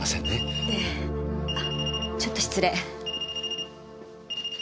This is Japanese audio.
あっちょっと失礼。